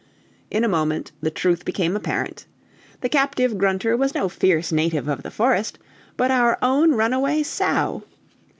In a moment the truth became apparent! The captive grunter was no fierce native of the forest, but our own runaway sow!